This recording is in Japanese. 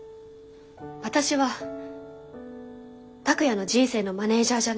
私は拓哉の人生のマネージャーじゃない。